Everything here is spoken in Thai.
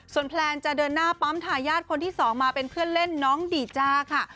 แพลนจะเดินหน้าปั๊มทายาทคนที่สองมาเป็นเพื่อนเล่นน้องดีจ้าค่ะ